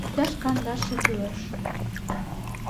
— Иктаж кандаше кӱлеш.